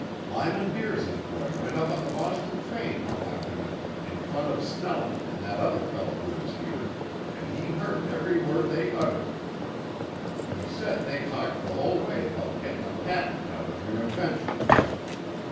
Lyman Bearse's boy went up on the Boston train one afternoon in front of Snelling an' that other feller who was here, an' he heard every word they uttered. He said they talked the whole way about gettin' a patent out on your invention.